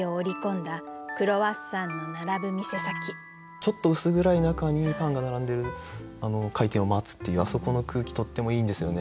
ちょっと薄暗い中にパンが並んでる開店を待つっていうあそこの空気とってもいいんですよね。